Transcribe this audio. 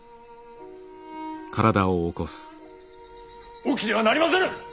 起きてはなりませぬ。